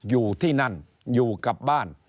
อยู่ที่นั่นอยู่กับบ้าน